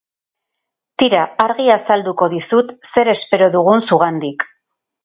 Tira, argi azalduko dizut zer espero dugun zugandik.